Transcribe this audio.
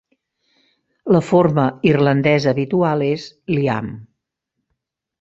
La forma irlandesa habitual és "Liam".